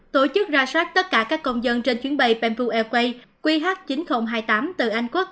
tổ chức ra soát tất cả các công dân trên chuyến bay pampoo airways qh chín nghìn hai mươi tám từ anh quốc